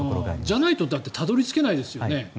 じゃないと、だってたどり着けないですよね。